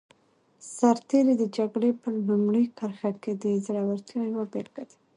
سرتېری د جګړې په لومړي کرښه کې د زړورتیا یوه بېلګه دی.